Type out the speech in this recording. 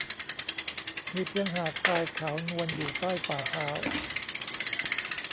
มีเพียงหาดทรายขาวนวลอยู่ใต้ฝ่าเท้า